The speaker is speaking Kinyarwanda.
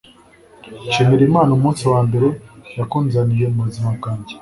Nshimira Imana umunsi wa mbere yakunzaniye muzima bwanjye